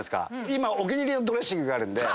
今お気に入りのドレッシングあるんで。